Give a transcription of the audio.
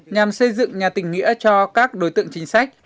nhằm xây dựng nhà tình nghĩa cho các đối tượng chính sách